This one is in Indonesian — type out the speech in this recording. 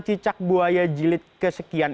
cicak buaya jilid kesekian